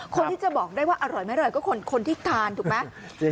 คนที่จะบอกได้ว่าอร่อยไม่อร่อยก็คนที่ทานถูกไหม